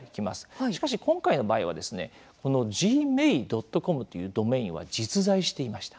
しかし、今回の場合はｇｍａｉ．ｃｏｍというドメインは実在していました。